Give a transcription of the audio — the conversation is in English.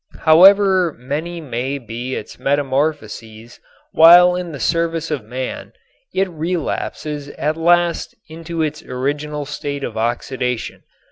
However many may be its metamorphoses while in the service of man it relapses at last into its original state of oxidation.